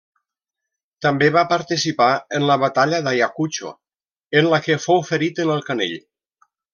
També va participar en la batalla d'Ayacucho, en la que fou ferit en el canell.